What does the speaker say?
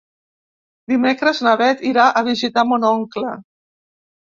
Dimecres na Beth irà a visitar mon oncle.